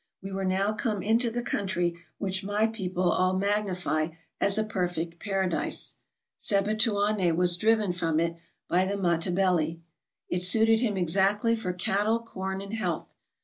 We were now come into the country which my people all magnify as a perfect paradise. Sebituane was driven from it by the Matebele. It suited him exactly for cattle, corn, and health.